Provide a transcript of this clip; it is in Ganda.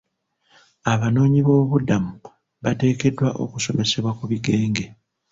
Abanoonyi boobubudamu bateekeddwa okusomesebwa ku bigenge.